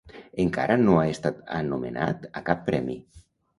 Encara no ha estat anomenat a cap premi.